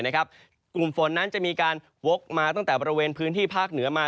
กลุ่มฝนนั้นจะมีการวกมาตั้งแต่บริเวณพื้นที่ภาคเหนือมา